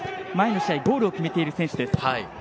前の試合、ゴールを決めている選手です。